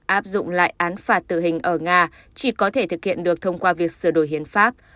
áp dụng lại án phạt tử hình ở nga chỉ có thể thực hiện được thông qua việc sửa đổi hiến pháp